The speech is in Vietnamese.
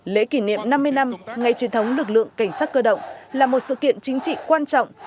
lễ kỷ niệm năm mươi năm ngày truyền thống lực lượng cảnh sát cơ động là một sự kiện chính trị quan trọng